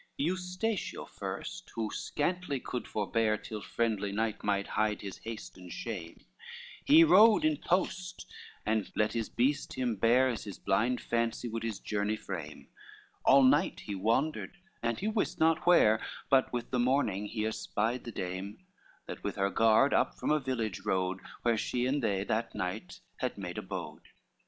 LXXX Eustatio first, who scantly could forbear, Till friendly night might hide his haste and shame, He rode in post, and let his breast him bear As his blind fancy would his journey frame, All night he wandered and he wist not where; But with the morning he espied the dame, That with her guard up from a village rode Where she and they that night had made abode.